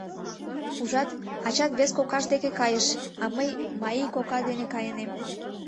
Ужат, ачат вес кокаж деке кайыш, а мый Маи кока дене кайынем.